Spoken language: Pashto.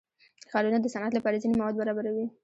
ښارونه د صنعت لپاره ځینې مواد برابروي.